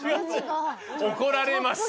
怒られます！